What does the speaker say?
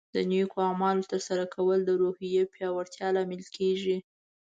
د نیکو اعمالو ترسره کول د روحیې پیاوړتیا لامل کیږي.